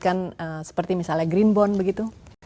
kan seperti misalnya green bond begitu